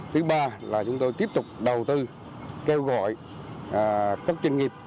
thứ ba là chúng tôi tiếp tục đầu tư kêu gọi các doanh nghiệp